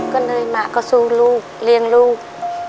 ก็เลยมาก็สู้ลูกเลี้ยงลูก